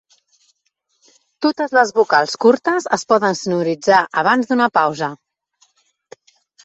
Totes les vocals curtes es poden sonoritzar abans d'una pausa.